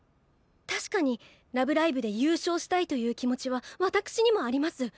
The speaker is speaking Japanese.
確かに「ラブライブ！」で優勝したいという気持ちはわたくしにもあります。